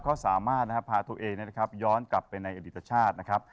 ก็สามารถพาตัวเองนะครับย้อนกลับไปในอดีตชาตินะครับ